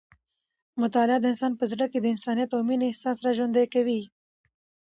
مطالعه د انسان په زړه کې د انسانیت او مینې احساس راژوندی کوي.